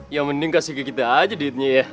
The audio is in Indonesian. ya mending kasih ke kita aja duitnya ya